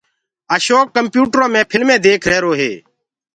اشوڪ ڪمپيوٽرو مي ڦلمينٚ ديک ريهرو هي